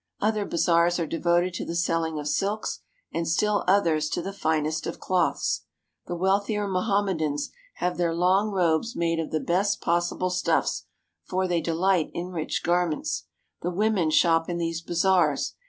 Other bazaars are devoted to the selling of silks and still others to the finest of cloths. The wealthier Mo hammedans have their long robes made of the best pos sible stufTs, for they delight in rich garments. The women shop in these bazaars.